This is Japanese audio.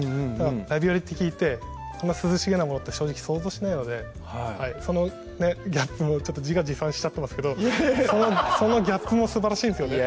ラビオリって聞いてこんな涼しげなものって正直想像しないのでそのギャップも自画自賛しちゃってますけどそのギャップもすばらしいんですよね